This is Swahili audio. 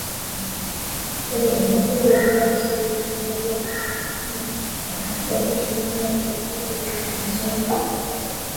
Malengo makuu ya Idhaa ya kiswahili ya Sauti ya Amerika kwa sasa ni, kuhakikisha usawa wa jinsia kwenye matangazo yetu.